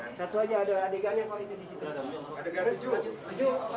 satu aja ada adegan yang paling di situ